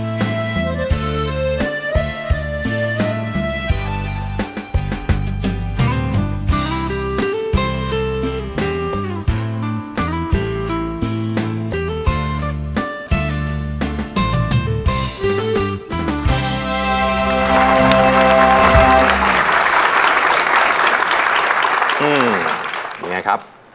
แว่นสุดท้ายและยกให้สบายสุดท้าย